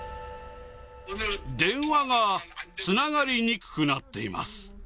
電話がつながりにくくなっています。